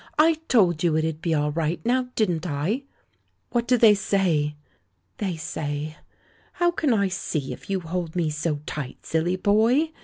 I told you it'd be all right, now didn't I?" "What do they say?" "They say How can I see, if you hold me so tight, silly boy?